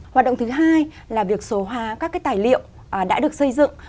hoạt động thứ hai là việc số hòa các cái tài liệu đã được xây dựng